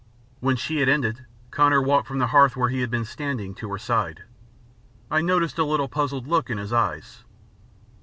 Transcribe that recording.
When she had ended, Connor walked from the hearth, where he had been standing, to her side. I noticed a little puzzled look in his eyes.